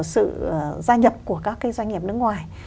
sự gia nhập của các doanh nghiệp nước ngoài